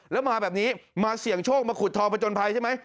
แล้วมาแบบนี้มาเสี่ยงโชคมาขุดทองผจญภัยใช่ไหม